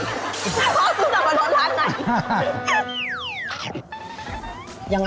พ่อซื้อสับปะรดร้านไหน